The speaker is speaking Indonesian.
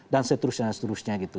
dan seterusnya seterusnya gitu